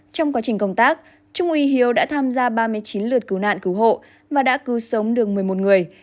trong quá trình công tác trung úy hiếu đã tham gia ba mươi chín lượt cứu nạn cứu hộ và đã cứu sống được một mươi một người